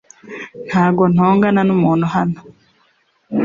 Ntabwo ntongana numuntu hano.